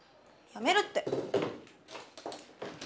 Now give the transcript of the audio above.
やめるって。